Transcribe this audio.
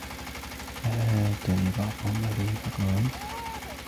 وَحَاجَّنِي بَعْضُهُمْ عَلَيْهِ فَقَالَ